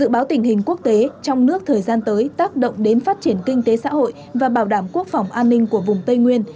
báo tình hình quốc tế trong nước thời gian tới tác động đến phát triển kinh tế xã hội và bảo đảm quốc phòng an ninh của vùng tây nguyên